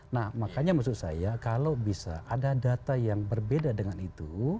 nah makanya maksud saya kalau bisa ada data yang berbeda dengan itu